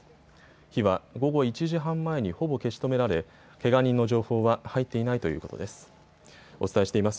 火は午後１時半前にほぼ消し止められ、けが人の情報は入っていないということです。